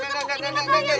enggak enggak enggak